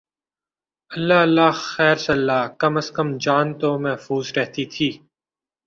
اللہ اللہ خیر سلا کم از کم جان تو محفوظ رہتی تھی۔